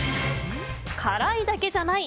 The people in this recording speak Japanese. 辛いだけじゃない！